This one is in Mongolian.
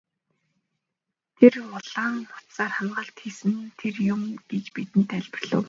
Тэр улаан утсаар хамгаалалт хийсэн нь тэр юм гэж бидэнд тайлбарлав.